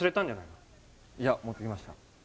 いや持ってきました。